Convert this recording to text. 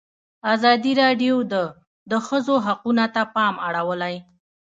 ازادي راډیو د د ښځو حقونه ته پام اړولی.